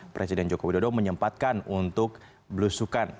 presiden jokowi dodo menyempatkan untuk belusukan